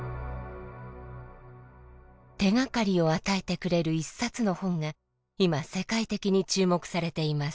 手がかりを与えてくれる１冊の本が今世界的に注目されています。